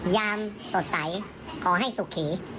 ยามสดใสขอให้สุขี